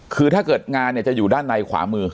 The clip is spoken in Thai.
คือถ้าเกิดงานเนี่ยจะอยู่ด้านในขวามือ